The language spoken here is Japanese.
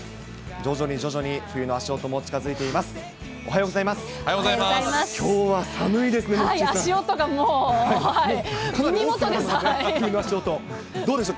徐々に徐々に、冬の足音も近づいどうでしょう？